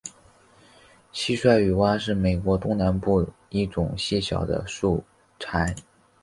蟋蟀雨蛙是美国东南部一种细小的树蟾。